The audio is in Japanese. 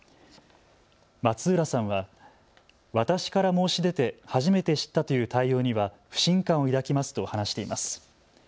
松浦さんは、私から申し出て初めて知ったという対応には不信感を抱きますと話しています。